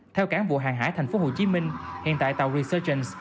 theo cán vụ hàng hải thành phố hồ chí minh hiện tại tàu resurgence